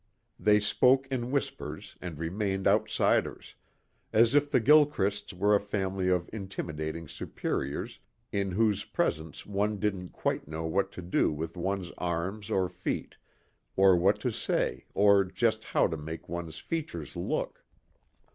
They spoke in whispers and remained outsiders, as if the Gilchrists were a family of intimidating superiors in whose presence one didn't quite know what to do with one's arms or feet or what to say or just how to make one's features look.